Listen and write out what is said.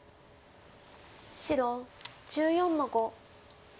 白１４の五。